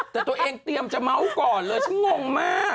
แต่ตัวเองเตรียมจะเมาส์ก่อนเลยฉันงงมาก